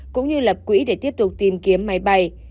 cũng như lập quỹ để tiếp tục tìm kiếm máy bay